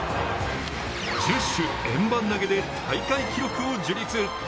十種、円盤投で大会記録を樹立。